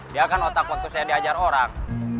dia kan otak otak yang diajar orang